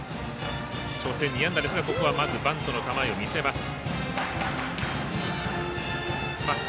初戦２安打ですがここはバントの構えを見せました。